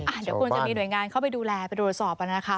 เดี๋ยวคุณก็มีโดยงานเข้าไปดูแลไปโดยสอบป่ะนะคะ